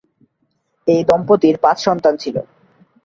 এই দম্পতির পাঁচ সন্তান ছিল।